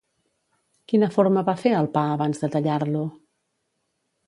Quina forma va fer al pa abans de tallar-lo?